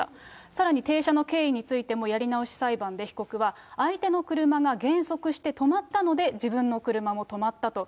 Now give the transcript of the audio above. さらに停車の経緯についても、やり直し裁判で、被告は相手の車が減速して止まったので、自分の車も止まったと。